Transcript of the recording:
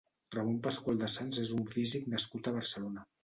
Ramon Pascual de Sans és un físic nascut a Barcelona.